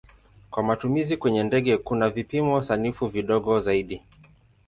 Kwa matumizi kwenye ndege kuna vipimo sanifu vidogo zaidi.